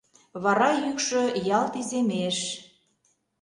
Вара йӱкшӧ ялт иземеш...